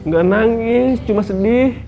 gak nangis cuma sedih